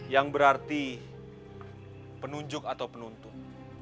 yang berarti penunjuk atau penuntut